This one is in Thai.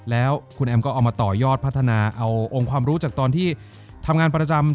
แล้วคุณแอมก็เอามาต่อยอดพัฒนาเอาองค์ความรู้จากตอนที่ทำงานประจำ